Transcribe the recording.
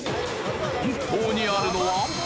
本当にあるのは。